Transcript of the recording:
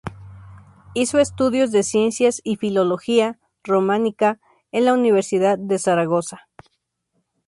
Hizo estudios de Ciencias y Filología Románica en la Universidad de Zaragoza.